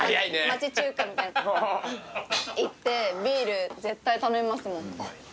町中華みたいな行ってビール絶対頼みますもん。